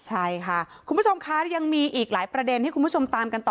ใช่ค่ะคุณผู้ชมคะยังมีอีกหลายประเด็นให้คุณผู้ชมตามกันต่อ